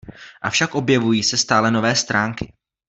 Avšak objevují se stále nové stránky.